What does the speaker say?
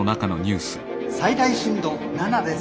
「最大震度７です。